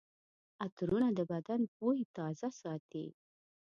عطرونه د بدن بوی تازه ساتي.